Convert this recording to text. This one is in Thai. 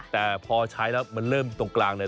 แต่พอใช้แล้วมันเริ่มตรงกลางเลย